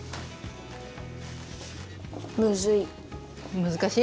むずい。